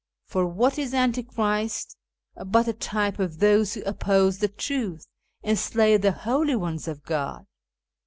Por what is Antichrist but a type of those who oppose the truth and slay the holy ones of God